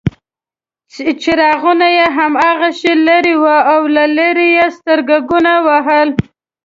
څراغونه هماغسې لرې وو او له لرې یې سترګکونه وهل.